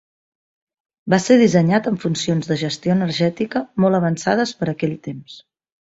Va ser dissenyat amb funcions de gestió energètica molt avançades per aquell temps.